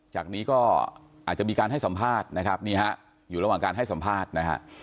จากนี้ก็อาจจะมีการให้สัมภาษณ์อยู่ระหว่างการให้สัมภาษณ์